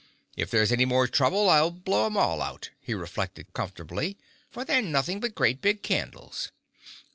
"If there's any more trouble I'll blow 'em all out," he reflected comfortably, "for they're nothing but great big candles."